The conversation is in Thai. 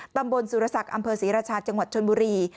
ตำบลสุรศักดิ์อำเภอศรีราชาจังหวัดชนบุรี